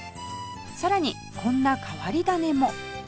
さらにこんな変わり種も